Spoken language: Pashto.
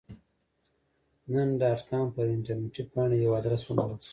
نن ډاټ کام پر انټرنیټي پاڼه یو ادرس وموندل شو.